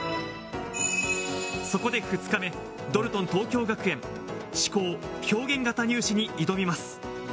そこで２日目、ドルトン東京学園思考・表現型入試に挑みます。